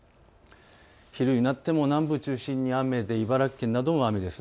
昼になっても南部を中心に雨で茨城県なども雨です。